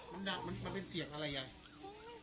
มันเป็นเสียงอะไรยาย